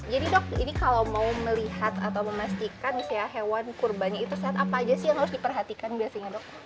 jadi dok ini kalau mau melihat atau memastikan misalnya hewan kurban itu sehat apa aja sih yang harus diperhatikan biasanya dok